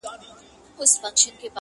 تورېدلي، ترهېدلي به مرغان وي -